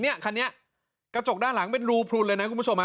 คันนี้กระจกด้านหลังเป็นรูพลุนเลยนะคุณผู้ชม